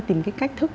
tìm cái cách thức